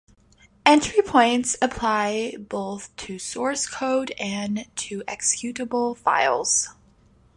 Entry points apply both to source code and to executable files.